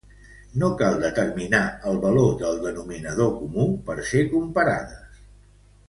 No cal determinar el valor del denominador comú per ser comparades.